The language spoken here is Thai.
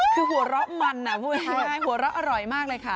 คือหัวเราะมันค่ะหัวเราะอร่อยมากนะคะ